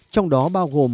trong đó bao gồm